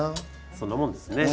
そんなもんですね。